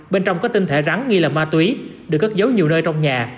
bên trong có tinh thể rắn nghi là ma túy được gất dấu nhiều nơi trong nhà